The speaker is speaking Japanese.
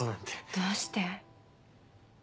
どうして？